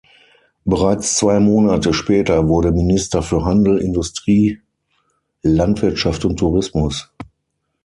Bereits zwei Monate später wurde Minister für Handel, Industrie, Landwirtschaft und Tourismus.